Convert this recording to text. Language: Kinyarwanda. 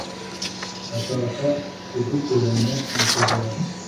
ashaka kuguteranya na chr wawe